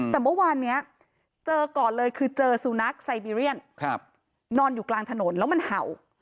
แต่เมื่อวานนี้เจอก่อนเลยคือเจอสุนัขไซบีเรียนนอนอยู่กลางถนนแล้วมันเห่า